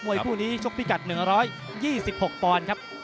วยคู่นี้ชกพิกัด๑๒๖ปอนด์ครับ